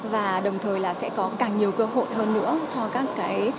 và đồng thời là sẽ có càng nhiều cơ hội hơn nữa cho các cái